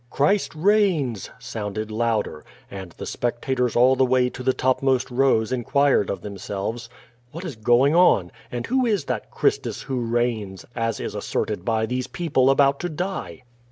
"Christ reigns!" sounded louder, and the spectators all the way to the topmost rows inquired of themselves: *^What is going on, and who is that Christus who reigns, as is asserted by these people about to die?"